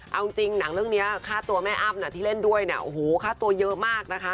เอาจริงหนังเรื่องนี้ค่าตัวแม่อ้ำที่เล่นด้วยเนี่ยโอ้โหค่าตัวเยอะมากนะคะ